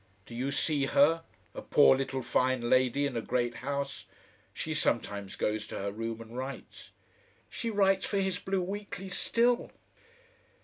Do you see her, a poor little fine lady in a great house, she sometimes goes to her room and writes." "She writes for his BLUE WEEKLY still."